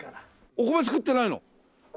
お米作ってないの？